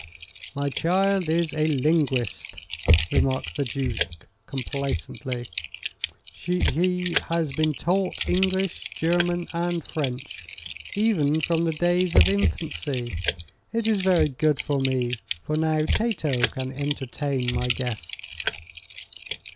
"My child is a linguist," remarked the Duke, complacently. "Sh he has been taught English, German and French, even from the days of infancy. It is very good for me, for now Tato can entertain my guests."